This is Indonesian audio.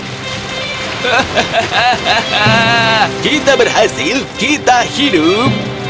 hahaha kita berhasil kita hidup